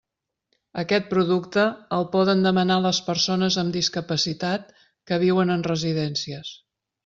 Aquest producte el poden demanar les persones amb discapacitat que viuen en residències.